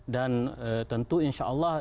dan tentu insya allah